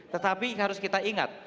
tetapi harus kita ingat